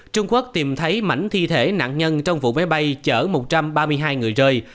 trung quốc tìm thấy mảnh thi thể nạn nhân trong vụ máy bay chở một trăm ba mươi hai người rơi